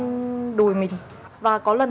anh đùi mình và có lần